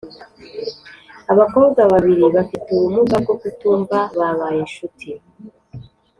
abakobwa babiri bafite ubumuga bwo kutumva babaye incuti